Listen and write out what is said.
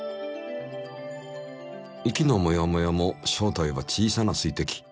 息のもやもやも正体は小さな水滴。